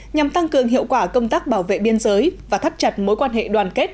nhằm tăng cường hiệu quả công tác bảo vệ biên giới và thắt chặt mối quan hệ đoàn kết